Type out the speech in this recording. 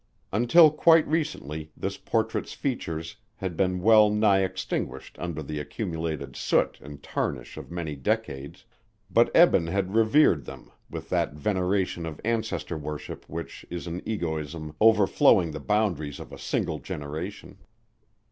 Until quite recently this portrait's features had been well nigh extinguished under the accumulated soot and tarnish of many decades, but Eben had revered them with that veneration of ancestor worship which is an egoism overflowing the boundaries of a single generation.